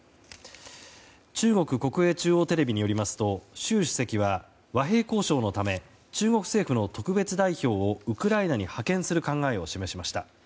中国国営中央テレビによりますと習主席は和平交渉のため中国政府の特別代表をウクライナに派遣する考えを示しました。